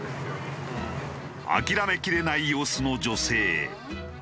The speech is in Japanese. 諦めきれない様子の女性。